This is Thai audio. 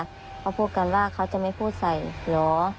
เขาพูดกันว่าเขาจะไม่พูดใส่เหรอ